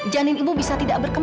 janin ibu bisa tidak berkembang